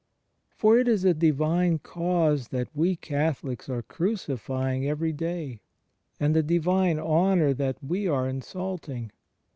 ..• For it is a Divine cause that we Catholics are cruci fying every day; and a Divine Honour that we are insulting.